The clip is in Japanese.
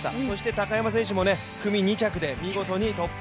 高山選手も組２着で見事に突破。